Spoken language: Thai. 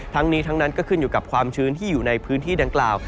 ทั้งนี้ทั้งนั้นก็ขึ้นอยู่กับความชื้นที่อยู่ในพื้นที่ดังกล่าว